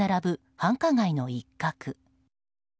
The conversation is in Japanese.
繁華街の一角。